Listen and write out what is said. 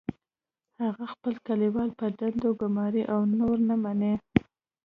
هغه خپل کلیوال په دندو ګماري او نور نه مني